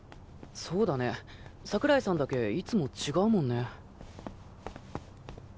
そうだね櫻井さんだけいつも違うもんね。